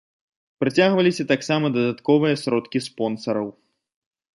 Прыцягваліся таксама дадатковыя сродкі спонсараў.